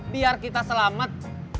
biar kita selamat